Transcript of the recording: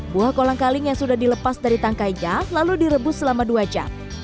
buah kolang kaling yang sudah dilepas dari tangkainya lalu direbus selama dua jam